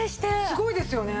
すごいですよね。